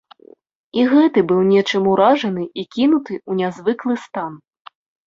І гэты быў нечым уражаны і кінуты ў нязвыклы стан.